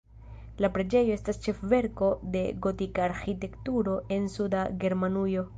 La preĝejo estas ĉefverko de gotika arĥitekturo en suda Germanujo.